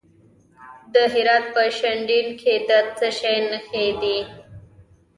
د هرات په شینډنډ کې د څه شي نښې دي؟